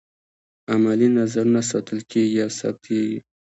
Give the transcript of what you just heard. عملي نظرونه ساتل کیږي او ثبتیږي.